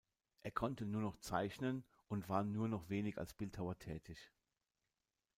Er konnte nur noch zeichnen und war nur noch wenig als Bildhauer tätig.